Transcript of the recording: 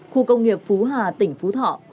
khu công nghiệp phú hà tỉnh phú thọ